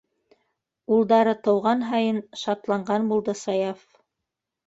Улдары тыуған һайын шатланған булды Саяф.